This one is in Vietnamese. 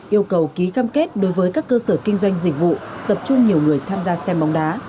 yêu cầu ký cam kết đối với các cơ sở kinh doanh dịch vụ tập trung nhiều người tham gia xem bóng đá